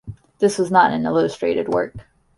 This was not an illustrated work.